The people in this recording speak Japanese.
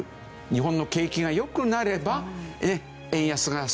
日本の景気が良くなれば円安が少し収まる。